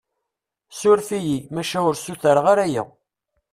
Suref-iyi, maca ur sutreɣ ara aya.